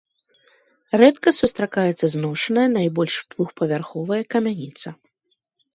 Рэдка сустракаецца зношаная, найбольш двухпавярховая камяніца.